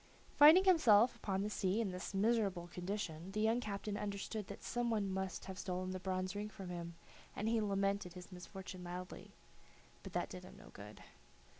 Finding himself upon the sea in this miserable condition, the young captain understood that some one must have stolen the bronze ring from him, and he lamented his misfortune loudly; but that did him no good.